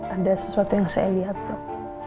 ada sesuatu yang saya lihat dok